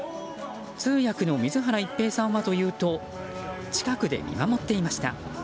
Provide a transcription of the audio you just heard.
通訳の水原一平さんはというと近くで見守っていました。